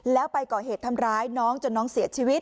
แล้วไปก่อเหตุทำร้ายน้องจนน้องเสียชีวิต